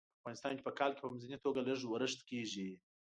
په افغانستان کې په کال کې په منځنۍ توګه لږ ورښت کیږي.